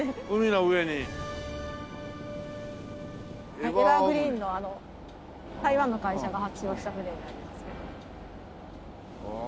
エバーグリーンの台湾の会社が発注をした船になりますね。